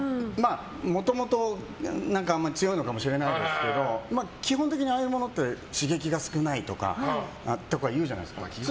もともと強いのかもしれないですけど基本的にああいうものって刺激が少ないとかっていうじゃないですか。